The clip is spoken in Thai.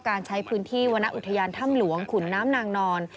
การใช้พื้นที่วรรณอุทยานถ้ำหลวงขุนน้ำนางนอน